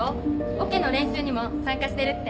オケの練習にも参加してるって。